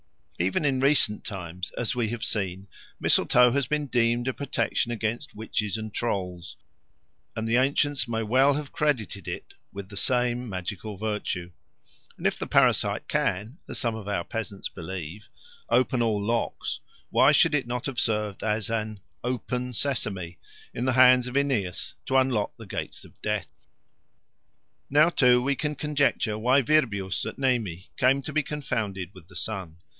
Even in recent times, as we have seen, mistletoe has been deemed a protection against witches and trolls, and the ancients may well have credited it with the same magical virtue. And if the parasite can, as some of our peasants believe, open all locks, why should it not have served as an "open Sesame" in the hands of Aeneas to unlock the gates of death? Now, too, we can conjecture why Virbius at Nemi came to be confounded with the sun.